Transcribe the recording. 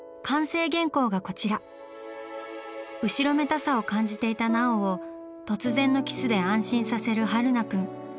後ろめたさを感じていた奈緒を突然のキスで安心させる榛名くん。